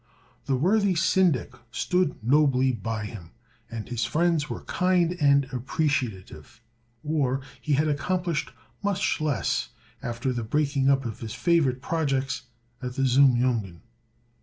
The worthy Syndic stood nobly by him, and his friends were kind and appreciative, or he had accomplished much less after the breaking up of his favorite projects at the Zum Jungen.